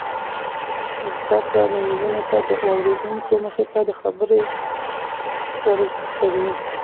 زده کړه نجونو ته د اوریدونکو مخې ته خبرې ور زده کوي.